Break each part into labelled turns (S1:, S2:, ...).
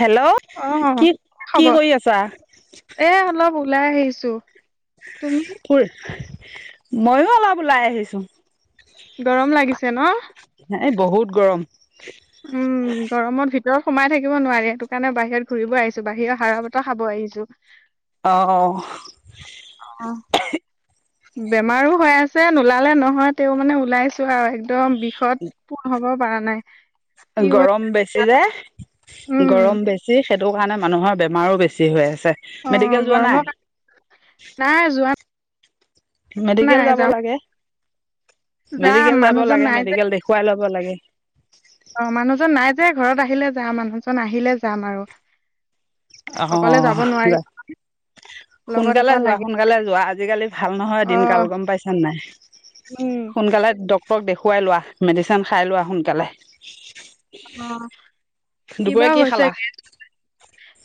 S1: Hello
S2: অ অ
S1: কি কি
S2: হব,
S1: কৰি আছা?
S2: এ অলপ ওলাই আহিছো। তুমি
S1: ম মইও অলপ ওলাই আহিছো।
S2: গৰম লাগিছে ন
S1: এই বহুত গৰম।
S2: উম গৰমৰ ভিত ভিতৰত সোমাই থাকিব নোৱাৰে এটো কাৰণে বাহিৰত ঘূৰিব আহিছো বাহিৰৰ হাৰা বতাহ খাব আহিছো।
S1: অহ।
S2: অ বেমাৰো হৈ আছে নোলালে নহয় তে মানে ওলাইছো আৰু একদম একদম বিষদ পূণ হব পৰা নাই কি হৈ
S1: গৰম বেছি যে
S2: উম
S1: গৰম বেছি সেইটো কাৰণে মানুহৰ বেমাৰো বেছি হৈ আছে
S2: অ
S1: মেডিকেল যোৱা
S2: গৰমৰ
S1: নাই
S2: কাৰণে নাই যোৱা
S1: মেডিকেল
S2: নাই
S1: যাব
S2: যাম
S1: লাগে,
S2: যাম
S1: মেডিকেল যাব
S2: মানুহজন
S1: লাগে
S2: নাই যে
S1: মেডিকেল দেখুৱাই ল। দিব লাগে।
S2: অ মানুহজন নাই যে ঘৰত আহিলে যাম মানুহজন আহিলে যাম আৰু।
S1: আহ
S2: অকলে যাব
S1: গ
S2: নোৱাৰি লগত
S1: সোনকালে
S2: এটা
S1: যোৱা
S2: লাগে
S1: সোনকালে যোৱা আজিকালি ভাল নহয়
S2: অ
S1: দিন কাল গম পাইছানে নাই?
S2: উম
S1: সোনকালে ডক্তৰক দেখুৱাই লোৱা, মেডিচিন খাই লোৱা সোনকালে।
S2: অ কিবা
S1: দুপৰীয়া কি
S2: হৈছে
S1: খালা?
S2: গে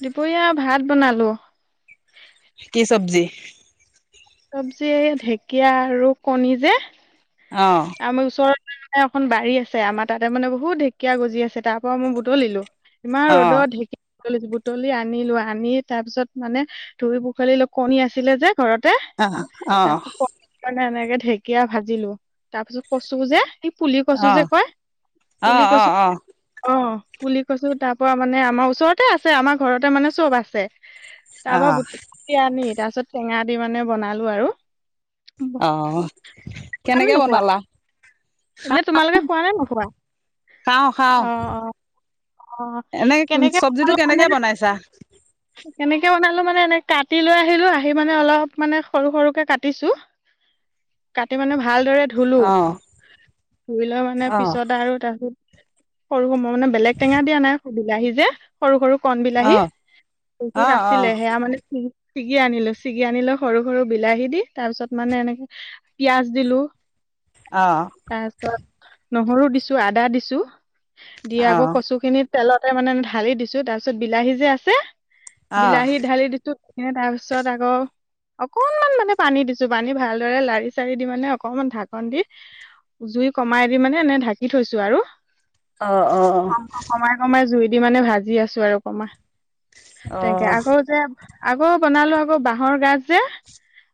S2: দুপৰীয়া ভাত বনালো।
S1: কি চব্জি?
S2: চব্জি ঢেকীয়া আৰু কণী যে
S1: অ'
S2: আমাৰ ওচৰত এখন বাৰী আছে আমাৰ তাতে মানে বহুত ঢেকীয়া গজি আছে তাৰ পৰাও মই বুটলিলো। ইমান
S1: অ'
S2: ৰ'দত ঢেঁকী বুটলি বুটলি আনিলো আনি তাৰপিছত মানে ধুই পুখালি অ কণী আছিলে যে ঘৰতে,
S1: অ'
S2: তাছত
S1: অ'
S2: ক কাৰে এনেকে ঢেকীয়া ভাজিলো তাৰপিছত কচু যে সেই পুলি কচু
S1: অ'
S2: যে কয়,
S1: অ
S2: পুলি
S1: অ
S2: কচু
S1: অ
S2: অ। পুলি কচু তাৰ পৰা মানে আমাৰ ওচৰতে আছে আমাৰ ঘৰতে মানে চব আছে। তাৰ
S1: অ
S2: পৰা বুটলি আনি তাৰ পিছত টেঙা দি মানে বনালো আৰু।
S1: আহ
S2: খোৱা নে
S1: কেনেকে
S2: নোখোৱা?
S1: বনালা?
S2: এনে তোমালোকে খোৱা নে নোখোৱা?
S1: খাওঁ খাওঁ
S2: অ', অ', অ',
S1: এনে
S2: কেনেকে
S1: চব্জিটো
S2: বনালো মানে
S1: কেনেকে বনাইছা
S2: কেনেকে বনালো মানে এনে কাটি লৈ আহিলো আহি মানে অলপ মানে সৰু সৰুকে কাটিছো [unintelligible] কাটি মানে ভালদৰে ধুলো
S1: অ
S2: ধুই লৈ মানে
S1: অ
S2: পিছত আৰু তাৰপিছত সৰু সম ময় মানে বেলেগ টেঙা দিয়া নাই বিলাহী যে সৰু সৰু কণ বিলাহী
S1: অ অ
S2: এইটোত আছিলে সেয়া মানে ছিগি আনিলো ছিগি আনিলো সৰু সৰু বিলাহী দি তাৰ পিছত মানে এনেকে পিয়াঁজ দিলো
S1: অ অ অ অ
S2: [unintelligible] তাৰপিছত নহৰু দিছো আদা দিছো দি
S1: অ
S2: আকৌ কচু খিনি তেলতে মানে ঢালি দিছো তাৰপিছত বিলাহী যে আছে
S1: অ অ
S2: বিলাহী ঢালি দিছো এ তাৰ পিছত আকৌ অকনমান মানে পানী দিছো পানী ভালদৰে লাৰি চাৰি দি মানে অকনমান ঢাকন দি জুই কমাই দি মানে এনে ঢাকি থৈছো আৰু
S1: অ অ
S2: কম কমাই কমাই জুই দি মানে ভাজি আছো আৰু কমা তেনেকে আকৌ যে আকৌ বনালো আকৌ বাঁহৰ গাজ যে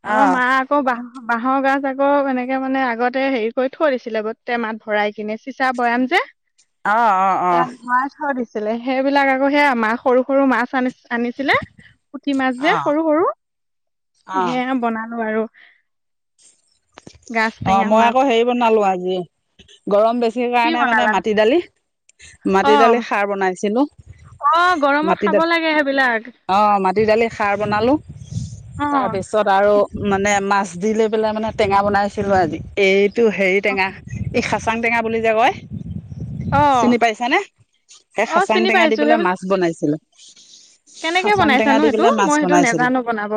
S1: অ অ অ
S2: আমাৰ মা আকৌ বাহ বাঁহৰ গাজ আকৌ এনেকে মানে আগতে হেৰি কৰি থৈ দিছিলে গোট মাত ভৰাই কিনে চিচা বৈয়াম যে
S1: অ
S2: তাত মাছৰ দিছিলে সেইবিলাক আকৌ সেয়া আমা সৰু সৰু মাছ আনি আনিছিলে পুঠি মাছ
S1: অ
S2: যে
S1: অ
S2: সৰু সৰু সে বনালো আৰু গাজ
S1: অ
S2: টেঙা
S1: মই
S2: মাছ
S1: আকৌ হেৰি বনালো আজি গৰম বেছি
S2: কি
S1: কাৰণে মানে
S2: বনালা?
S1: মাটি দালি মাটি দালি
S2: অ',
S1: খাৰ বনাইছিলো
S2: অ', গৰমত
S1: মাটি
S2: খাব
S1: দালি
S2: লাগে সেইবিলাক।
S1: অ মাটি দালি খাৰ বনালো তাৰ
S2: অ',
S1: পিছত আৰু মানে মাছ দি লৈ পেলাই মানে টেঙা বনাই ছিলো আজি এইটো হেৰি টেঙা এই খাচাং টেঙা বুলি যে কয়
S2: অ',
S1: চিনি পাইছানে সেই
S2: অ
S1: খাচাং
S2: চিনি
S1: টেঙা দি
S2: পাইছো
S1: পেলাই
S2: সেইবিলাক
S1: মাছ বনাইছিলো
S2: কেনেকে বনাইছানো সেইটো
S1: মাছ
S2: মই সেইটো
S1: বনাইছিলোঁ
S2: নাজানো বনাব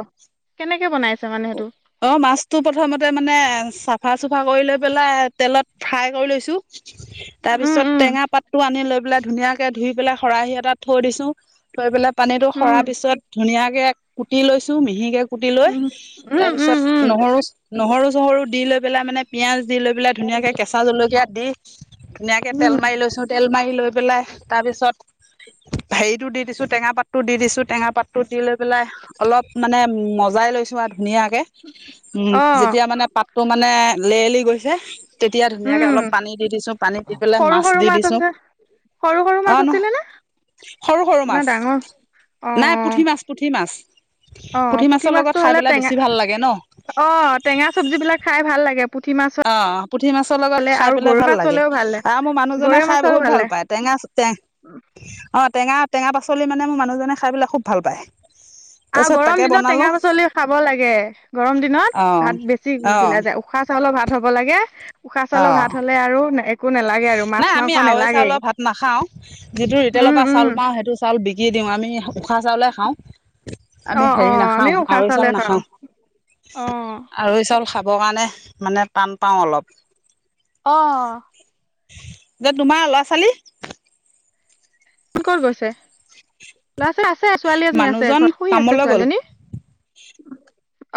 S2: কেনেকে বনাইছে মানে সেইটো
S1: অ মাছটো প্ৰথমতে মানে চাফা চুফা কৰি লৈ পেলাই তেলত ফ্ৰাই কৰি লৈছোঁ তাৰ
S2: উম,
S1: পিছত
S2: উম,
S1: টেঙা পাতটো আনি লৈ পেলাই। - ধুনীয়াকে ধুই পেলাই শৰাহি এটাত থৈ দিছো থৈ পেলাই পানীতটো
S2: উম,
S1: সৰাৰ পিছত ধুনীয়াকে। কুটি লৈছো মিহিকে কুটি লৈ।
S2: উম, উম,
S1: তাৰ
S2: উম,
S1: পিছত
S2: উম,
S1: নহৰু নহৰু- চহৰু দি লৈ পেলাই মানে পিয়াঁজ। দি লৈ পেলাই ধুনীয়াকে কেঁচা জলকীয়া দি ধুনীয়াকে
S2: উম,
S1: তেল মাৰি লৈছো তেল মাৰি লৈ পেলাই তাৰ পিছ। তাৰপিছত হেৰিতটো দি দিছো টেঙা পাতো দি দিছো টেঙা পাত তু দি লৈ পেলাই অলপ মানে মজাই লৈছো আৰু ধুনীয়াকে উম
S2: অ',
S1: যেতিয়া মানে পাতটো মানে লেলি গৈছে তেতিয়া ধুনীয়াকে
S2: উম,
S1: অলপ পানী দি দিছো, পানী দি পেলাই
S2: সৰু
S1: মাছ
S2: সৰু
S1: দি দিছো
S2: আছে সৰু সৰু
S1: অ
S2: মাছ
S1: নহ
S2: আছিলে নে?
S1: সৰু সৰু
S2: না
S1: মাছ।
S2: ডাঙৰ?
S1: নাই পুঠি,
S2: অ',
S1: মাছ পুঠি, মাছ পুঠি মাছৰ লগত
S2: মাছটো
S1: খাই
S2: হ'লে
S1: পেলাই বেছি
S2: অ টেঙা
S1: ভাল লাগে ন
S2: টেঙা চব্জি বিলাক খাই ভাল লাগে পুঠি মাছ
S1: অ পুঠি মাছৰ
S2: হ'লে
S1: লগত খাই
S2: আৰু
S1: পেলাই
S2: গৰৈ
S1: ভাল
S2: মাছ
S1: লাগে,
S2: হ'লেও ভাল লাগে।
S1: আৰু মোৰ মানুহজনে
S2: গৰৈ মাছ
S1: খাই
S2: হ'লেও
S1: বহুত ভাল
S2: লাগে।
S1: পায়। টেঙা টে অ টেঙা টেঙা পাচলি মানে মোৰ মানুহজনে খাই পেলাই খুব ভাল পায়।
S2: আৰু
S1: তাৰপিছত তাকে
S2: গৰম দিনত
S1: বনালো
S2: টেঙা পাচলি খাব লাগে, গৰম দিনত
S1: অ
S2: ভাত বেছি উ
S1: অ
S2: গিলা যায় উশাহ চাউলৰ ভাত ভাত হ'ব লাগে উশাহ
S1: অ
S2: চাউলৰ ভাত হ'লে আৰু একো নালাগে আৰু মাছ
S1: নাই আমি
S2: মাংস
S1: আৱৈ
S2: নালাগেই
S1: চাউলৰ ভাত নাখাও যিটো ৰিটেলৰ
S2: উম
S1: পৰা চাউল
S2: উম
S1: পাওঁ সেইটো চাউল বিকি দিওঁ আমি উশাহ চাউলে খাওঁ
S2: অ
S1: আমি
S2: অ
S1: হেৰি নাখাওঁ
S2: আমিও উশাহ
S1: আৰৈ
S2: চাউলে
S1: চাউল
S2: খাওঁ
S1: নাখাওঁ।
S2: অ
S1: আৰৈ চাউল কাৰণে মানে টান পাওঁ অলপ।
S2: অ
S1: এ তোমাৰ ল'ৰা ছোৱালী?
S2: কত গৈছে? ল'ৰা ছোৱালী আছে ছোৱালী এজনী আছে
S1: মানুহজন
S2: ঘৰত শুহি আছে
S1: কামলৈ গ'ল
S2: ছোৱালীজনী।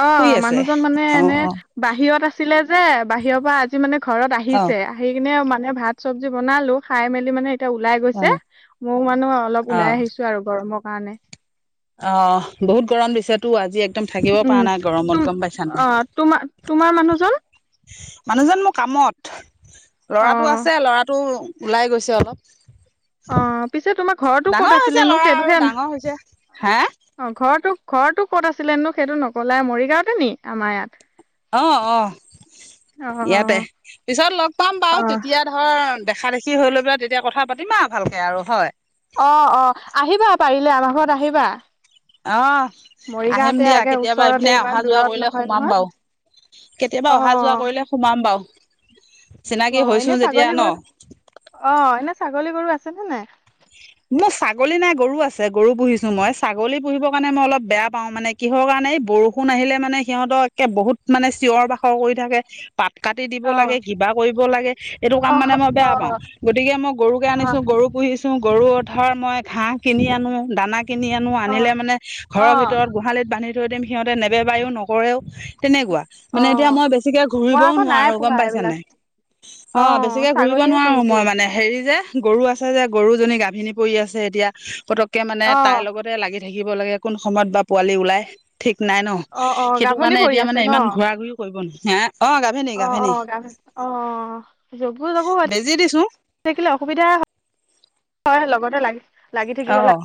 S2: অ
S1: শুই আছে
S2: মানুহজন মানে
S1: অ
S2: এনে
S1: অ
S2: বাহিৰত আছিলে যে বাহিৰৰ পৰা আজি মানে। ঘৰত
S1: অ
S2: আহিছে আহি কিনে মানে ভাত -চবজি বনালো খাই মেলি মানে এতিয়া ওলাই গৈছে। মোৰ মানুহ অলপ
S1: অ অ
S2: ওলাই আহিছো আৰু গৰমৰ কাৰণে।
S1: অ বহুত গৰম দিছে তো আজি এক। একদম থাকিব
S2: উম
S1: পৰা নাই
S2: তুম
S1: গৰমত গম পাইছা
S2: অ তোমাৰ তোমাৰ
S1: নাই?
S2: মানুহজন
S1: মানুহজন মোৰ কামত
S2: অ
S1: লৰাটো আছে, ল'ৰাটো। ওলাই গৈছে অলপ।
S2: অ পিছে তোমাৰ ঘৰৰতটো
S1: ডাঙৰ
S2: ক'ত
S1: হৈছে
S2: আছিলেনো
S1: ল'ৰা আৰু
S2: সেইটোহে
S1: ডাঙৰ হৈছে হা
S2: অ ঘৰটো। ঘৰটো ক'ত আছিলেনো সেইটো নকলে মৰিগাঁওতে নি আমাৰ ইয়াত?
S1: অ অ
S2: অ
S1: ইয়াতে পিছত লগ পাম বাৰু
S2: অ
S1: তেতিয়া ধৰ। দেখা দেখি হৈ লৈ পেলাই তেতিয়া কথা পাতিমা ভালকে আৰু হয়।
S2: অ অ আহিবা পাৰিলে আমাৰ ঘৰত আহিবা।
S1: আহ আহিম
S2: মৰিগাঁওতে
S1: দিয়া
S2: একে
S1: কেতিয়াবা
S2: ওচৰতে
S1: এইপিনে
S2: ইমান
S1: অহা যোৱা
S2: দূৰত
S1: কৰিলে
S2: নহয়
S1: সোমাম
S2: নহয়
S1: বাৰু। কেতিয়াবা
S2: অ
S1: অহা যোৱা কৰিলে সোমাম বাও।
S2: অ এনে ছাগলী
S1: ন।
S2: গৰু অ এনে ছাগলী গৰু আছে নে নাই?
S1: মোৰ ছাগলী নাই গৰু আছে গৰু পুহিছো মই ছাগলী পুহিবৰ কাৰণে মই অলপ বেয়া পাও মানে কিহৰ কাৰণে। মানে বৰষুণ আহিলে মানে সিহঁতক একে বহুত মানে চিঞৰ বাখৰ কৰি থাকে,। পাত কাটি দিব
S2: অ
S1: লাগে, কিবা কৰিব লাগে এইটো কাম
S2: অ
S1: মানে মই
S2: অ
S1: বেয়া পাও গতিকে মই গৰুকে
S2: অ
S1: আনিছো গৰু। গৰু পুহিছো গৰু মই ধ'ৰ কিনি আনো, দানা। কিনি আনো
S2: অ
S1: আনিলে মানে
S2: অ
S1: ঘৰৰ ভিতৰত গোহালিত বান্ধি থৈ দিম সিহঁতে নেবেবায়ও, নকৰেও। তেনেকুৱা
S2: অ
S1: মানে এতিয়া মই বেছিকে
S2: মই
S1: ঘূৰিবও
S2: আকৌ নাই
S1: নোৱাৰো গম
S2: পোহা
S1: পাইছা
S2: এইবিলাক
S1: নাই? অ বেছিকে ঘুৰিব
S2: ছাগলীহে
S1: নোৱাৰো
S2: পুহিছো
S1: মই মানে হেৰি যে। গৰু আছে যে গৰুজনী গাভিনী পৰি আছে এতিয়া পতককে মানে
S2: অ
S1: তাই লগতে লাগি। থাকিব লাগে কোন সময়ত বা পোৱালি ওলাই। ঠিক নাই ন।
S2: অ অ
S1: সেইটো
S2: গাভনী
S1: কাৰণে
S2: পৰি
S1: এতিয়া মানে
S2: আছে ন
S1: ইমান ঘূৰা ঘূৰি কৰিব নি হা।
S2: অ অ গ অ যবোৰ যাব হয়।
S1: বেজি দিছো
S2: থাকিলে অসুবিধা হয় হয় লগতে লাগি লাগি থাকিব
S1: অ
S2: লাগ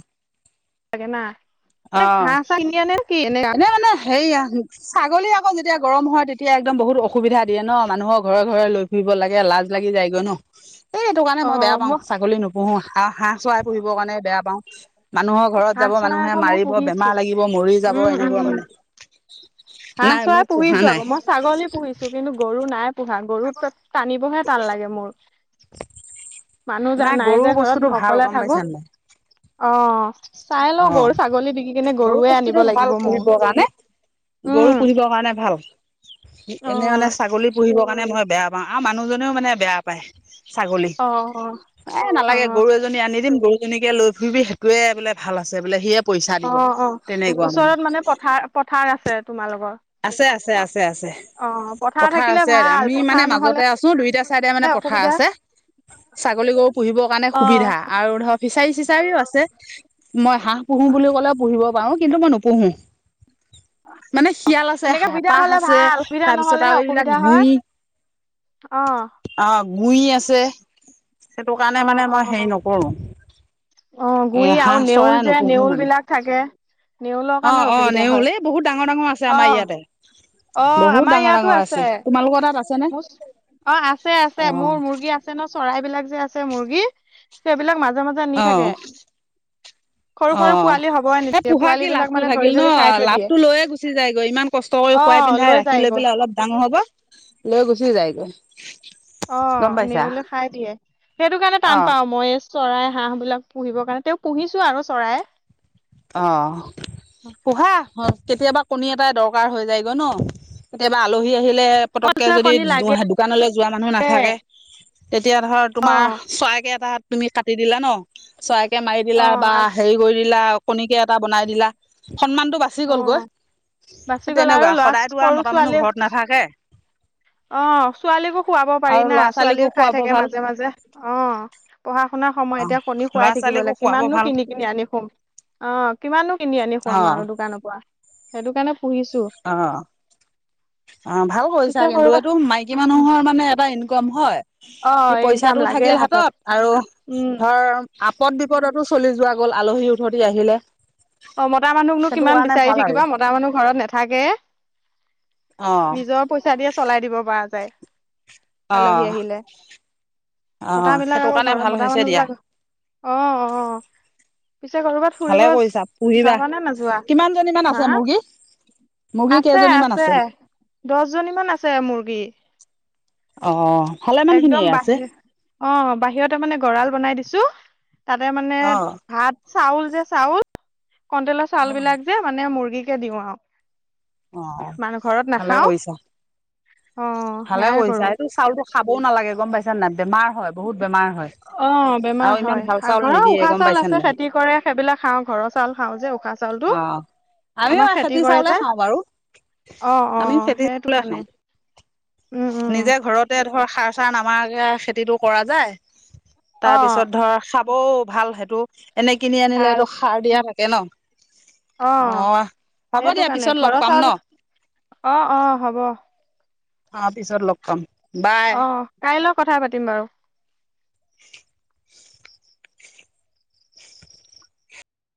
S2: লাগে না
S1: অ
S2: এ ঘাঁহ চাহ কিনি আনে কি
S1: এনে মানে হেই ছাগলী আকৌ যেতিয়া গৰম হয় তেতিয়া একদম বহুত অসুবিধা দিয়ে ন মানুহৰ ঘৰে ঘৰে লৈ ফুৰিব লাগ লাজ লাগি যায়গৈ ন এই এইটো কাৰণে মই বেয়া পাওঁ ছাগলী নুপুহো আৰু হাঁহ চৰাই পুহিবৰ কাৰণে বেয়া পাও মানুহৰ ঘৰত
S2: হাঁহ
S1: যাব মানুহ।
S2: চৰাই আকৌ মই
S1: মাৰিব
S2: পুহিছো
S1: বেমাৰ লাগিব মৰি যাব
S2: উম উম
S1: এনেকুৱা
S2: উম
S1: মানে।
S2: হাঁহ
S1: নাই মই
S2: চৰা
S1: পোহা
S2: পুহিছো
S1: নাই
S2: আক মই ছাগলী পুহিছো কিন্তু গৰু নাই। পোহা গৰু টানিবহে টান লাগে মোৰ। মানুহ
S1: নাই গৰু
S2: যে ঘৰত
S1: বস্তুটো
S2: মই
S1: ভাল
S2: অকলে
S1: গম পাইছ
S2: থাকো
S1: ন নাই।
S2: অ চাই
S1: অ
S2: লওঁ গৰু ছাগলী বিকি কিনে
S1: গৰু
S2: গৰুৱে আনিব
S1: বস্তুটো ভাল
S2: লাগিব মোৰ
S1: ফুহিব কাৰণে। গৰু
S2: উম
S1: পুহিবৰ কাৰণে ভাল
S2: অ
S1: এনে মানে ছাগলী পুহিব। মানে মই বেয়া পাওঁ আৰু মানুহজনেও মানে বেয়া পায়। ছাগলী
S2: অ
S1: এ
S2: অ
S1: নালাগে
S2: অ
S1: গৰু এজনী আনি দিম গৰুজনীকে লৈ ফুৰিবি সেইটোৱে বোলে। ভাল আছে বোলে সেই।
S2: অ অ ওচৰত মানে পথাৰ পথাৰ আছে তোমাৰ লগৰ।
S1: আছে আছে আছে আছে। পথাৰ
S2: থাকিলে
S1: আছে
S2: ভাল
S1: আমি মানে
S2: পথাৰ নহলে
S1: মাজতে আছো দুইটা চাইদে মানে পথাৰ
S2: অসুবিধা
S1: আছে। ছাগলী গৰু পুহিবৰ কাৰণে
S2: অ
S1: সুবিধা আৰু ধৰ ফিচাৰী চিচাৰিও আছে। মই হাঁহ পুহো বুলি ক'লে পুহিব পাৰো কিন্তু মই নোপুহো মানে। খিয়াল আছে
S2: এনেকে সুবিধা
S1: হেপাহ
S2: হলে
S1: আছে
S2: ভাল
S1: তাৰপিছত আৰু এইবিলাক গুৰি।
S2: অহ।
S1: গুৰি আছে সেইটো
S2: অ
S1: কাৰণে মানে
S2: অ
S1: মই হেৰি নকৰো।
S2: অ
S1: এ
S2: গুৰি আৰু
S1: হাঁহ চৰাই
S2: নেউল যে
S1: নুপুহো
S2: নেউল
S1: মানে
S2: বিলাক থাকে। নেউলৰ
S1: অ
S2: কাৰণে
S1: অ
S2: অসুবিধা হয়
S1: নেওল এই বহুত ডাঙৰ ডাঙৰ আছে
S2: অ
S1: আমাৰ ইয়াতে
S2: অ
S1: [unintelligible] বহুত
S2: আমাৰ
S1: ডাঙৰ
S2: ইয়াতো
S1: ডাঙৰ আছে তোমালোকৰ তাত আছেনে
S2: মোৰ অ আছে আছে
S1: অ
S2: মোৰ মুৰ্গী আছে ন চৰাই বিলাক যে আছে মুৰ্গী সেইবিলাক মাজে মাজে নি
S1: অ
S2: থাকে সৰু
S1: [unintelligible] [inaudible] অ
S2: সৰু পোৱালি হবই
S1: এই
S2: নিদিয়ে
S1: পোহা
S2: পোৱালী
S1: কি
S2: বিলাক
S1: লাভটো
S2: মানে ধৰি
S1: থাকিল ন
S2: ধৰি খাই থৈ দিয়ে
S1: লাভটো লৈয়ে গুচি যায়গৈ ইমান কষ্ট কৰি খ
S2: অ
S1: খাই পিন্ধাই ৰাখি লৈ
S2: যায়গৈ
S1: পেলাই অলপ ডাঙৰ হ'ব লৈ গুচি যায়গৈ
S2: অ
S1: গম পাইছা
S2: নেউলে খাই দিয়ে সেইটো কাৰণে টান
S1: অ',
S2: পাও মই চৰাই হাঁহবিলাক পুহিবৰ কাৰণে তেওঁ পুহিছো আৰু চৰাই
S1: অ পোহা কেতিয়াবা কণী এটাই দৰকাৰ হৈ যায় ন কেতিয়াবা আলহী আহিলে পতককে
S2: চৰাই
S1: যদি
S2: কণী লাগে
S1: দোকানলৈ যোৱা মানুহ নাথাকে [unintelligible] তেতিয়া ধৰ
S2: অ
S1: তোমাৰ চৰাইকে এটা তুমি কাটি দিলা ন চৰাইকে মাৰি
S2: অ
S1: দিলা বা হেৰি কৰি দিলা কণিকে এটা বনাই দিলা সন্মানতটো বাচি
S2: অ
S1: গলগৈ স
S2: বাচি গ'ল আৰু
S1: তেনেকুৱা
S2: ল'ৰা
S1: সদায়তো আৰু
S2: সৰু
S1: মতাহ
S2: ছোৱালী
S1: মানুহ ঘৰত নাথাকে
S2: অ ছোৱালীকো খুৱাব পাৰি
S1: আৰু
S2: না
S1: ল'ৰা ছোৱালীকো
S2: ছোৱালীও খাই
S1: খুৱাব
S2: থাকে
S1: ভাল
S2: মাজে মাজে অ পঢ়া পঢ়া শুনা সময় এতিয়া কণী
S1: ল'ৰা
S2: খুৱাই থাকিব
S1: ছোৱালীকো
S2: লাগে
S1: খুৱাব
S2: কিমাননো
S1: ভাল।
S2: কিনি কিনি আনি খোম অ কিমানো কিনি আনি
S1: অ
S2: খুৱাম আৰু দোকানৰ পৰা সেইটো কাৰণে পুহিছো
S1: অ অ ভাল কৰিছা
S2: পিছে সৰু
S1: কিন্তু এইটো মাইকী মানুহৰ মানে এটা ইনকম হয়
S2: অ
S1: স
S2: ইনকাম
S1: পইচাটোও
S2: লাগে
S1: থাকিল হাতত আৰু
S2: উম
S1: ধৰ আপদ বিপদতো চলি যোৱা গ'ল আলহী উঠতি আহিলে
S2: অ মতা মানুহকনো
S1: সেইটো
S2: কিমান
S1: কাৰণে
S2: বিচাৰি
S1: ভাল আৰু
S2: থাকিবা মতা মানুহ ঘৰত নাথাকে
S1: অ
S2: নিজৰ পইচা দিয়ে চলাই দিব পৰা যায়
S1: অ
S2: আলহী আহিলে
S1: অ
S2: মতা বিলাক
S1: সেইটো
S2: আকৌ
S1: কাৰণে
S2: ঘৰৰ
S1: ভাল
S2: মতা
S1: হৈছে
S2: মানুহ
S1: দিয়া।
S2: বিলাক অ অ পিছে কৰবাত
S1: ভালে
S2: ফুৰিব
S1: কৰিছা পুহিবা
S2: যাৱা নে নাযোৱা
S1: কিমান জনী মান
S2: হা
S1: আছে মুৰ্গী মুৰ্গী
S2: আছে
S1: কেইজনী মান
S2: আছে দহ জনী মান আছে মুৰ্গী [unintelligible]
S1: অ ভালে মান
S2: একদম
S1: খিনিয়ে আছে
S2: বাহিৰ অ বাহিৰতে মানে গঁৰাল বনাই দিছো তাতে মানে
S1: অ
S2: ভাত চাউল যে চাউল কণটলৰ চাউল
S1: অ
S2: বিলাক যে মানে মুৰ্গীকে দিওঁ আৰু
S1: অ
S2: মানুহ ঘৰত
S1: ভালে
S2: নাখাও
S1: কৰিছা
S2: অ
S1: ভালে
S2: সেয়াই কৰো
S1: কৰিছা এইটো চাউলো খাবও নালাগে গম পাইছা নে বেমাৰ হয় বহুত বেমাৰ হয়,
S2: অ বেমাৰ
S1: আৰু ইমান
S2: হয়
S1: ভাল চাউল
S2: ঘৰৰ
S1: নিদিয়ে
S2: উশাহ
S1: গম
S2: চাউল
S1: পাইছে
S2: আছে
S1: নাই
S2: খেতি কৰে সেইবিলাক খাওঁ ঘৰৰ চাউল খাওঁ যে উশাহ চা [unintelligible]
S1: অ
S2: চাউলতটো
S1: আমিও
S2: আমাৰ খেতি কৰে
S1: চাউলে
S2: যে,
S1: খাওঁ বাৰু
S2: অ অ
S1: আমি খেতি
S2: সেইটো
S1: চাউলে
S2: কাৰণে
S1: খাওঁ
S2: উম উম
S1: নিজে ঘৰতে ধ ধৰ সাৰ চাৰ নামাকে খেতিতটো কৰা যায় তাৰপিছত
S2: অ'
S1: ধৰ [unintelligible] বৌ ভাল সেইটো এনে কিনি আনিলে
S2: ভাল
S1: সেটো সাৰ দিয়া থাকে ন
S2: অ
S1: হ'ব
S2: সেইটো
S1: দিয়া
S2: কাৰণে
S1: পিছত লগ
S2: ঘৰৰ
S1: পাম ন
S2: চাউল অ অ হব
S1: অ পিছত লগ পায়।
S2: অ কাইলৈ কথা পাতিম বাৰু